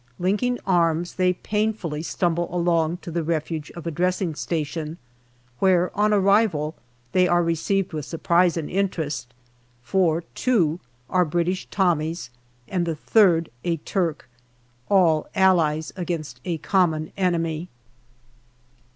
Linking arms, they painfully stumble along to the refuge of a dressing station, where, on arrival, they are received with surprise and interest, for two are British Tommies and the third a Turk, all allies against a common enemy.